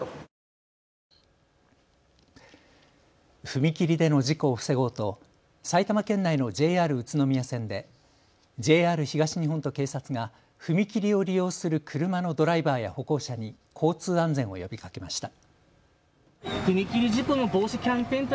踏切での事故を防ごうと埼玉県内のＪＲ宇都宮線でＪＲ東日本と警察が踏切を利用する車のドライバーや歩行者に交通安全を呼びかけました。